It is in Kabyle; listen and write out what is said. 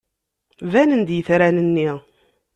Banen-d yitran-nni.